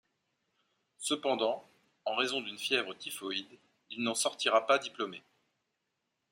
Cependant, en raison d'une fièvre typhoïde, il n'en sortira pas diplômé.